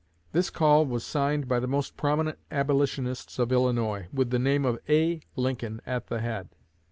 This call was signed by the most prominent Abolitionists of Illinois, with the name of A. LINCOLN at the head.